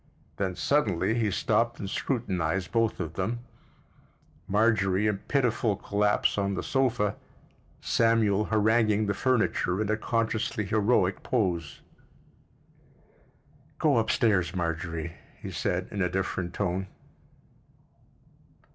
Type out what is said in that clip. Then suddenly he stopped and scrutinized both of them—Marjorie in pitiful collapse on the sofa, Samuel haranguing the furniture in a consciously heroic pose. "Go up stairs, Marjorie," he said, in a different tone.